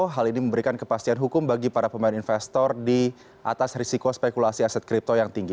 hal ini memberikan kepastian hukum bagi para pemain investor di atas risiko spekulasi aset kripto yang tinggi